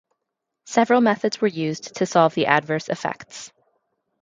Several methods were used to solve the adverse effects.